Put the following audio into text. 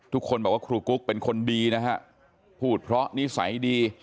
ทุกคนบอกว่าครูกุ๊กเป็นคนดีนะฮะพูดเพราะนิสัยดี